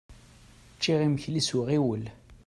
Ččiɣ imekli s uɣiwel.